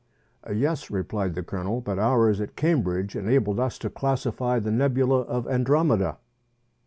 "Yes," replied the Colonel; "but ours at Cambridge enabled us to classify the nebula of Andromeda."